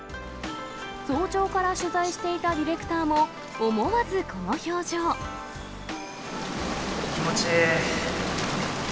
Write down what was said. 早朝から取材していたディレクターも、気持ちいい。